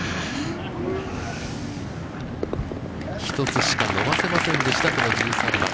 １つしか伸ばせませんでした、この１３番。